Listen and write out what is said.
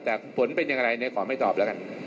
แต่ผลเป็นอย่างไรเนี่ยขอไม่ตอบแล้วกัน